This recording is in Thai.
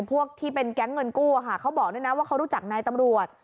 ที่เป็นแก๊งเงินกู้เขาบอกด้วยนะว่าเขารู้จักนายตำรวจ